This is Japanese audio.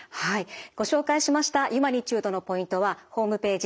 ご紹介しましたユマニチュードのポイントはホームページ